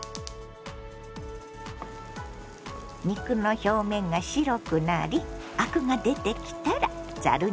肉の表面が白くなりアクが出てきたらざるにとります。